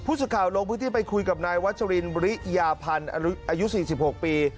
สุดข่าวลงพื้นที่ไปคุยกับนายวัชรินบริยาพันธ์อายุ๔๖ปี